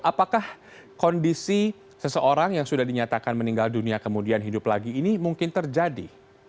apakah kondisi seseorang yang sudah dinyatakan meninggal dunia kemudian hidup lagi ini mungkin terjadi